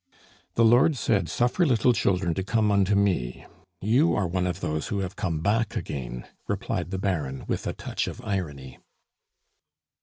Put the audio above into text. "The Lord said, 'Suffer little children to come unto Me.' You are one of those who have come back again," replied the Baron with a touch of irony.